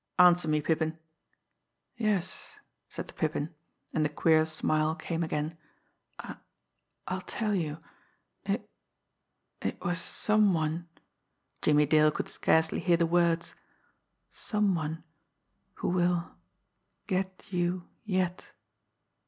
Answer me, Pippin!" "Yes," said the Pippin, and the queer smile came again, "I I'll tell you. It it was some one" Jimmie Dale could scarcely hear the words "some one who will get you yet!"